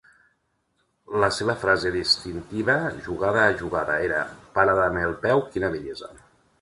La seva frase distintiva, jugada a jugada, era "parada amb el peu, quina bellesa".